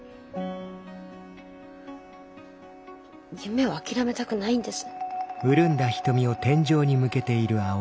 夢を諦めたくないんです。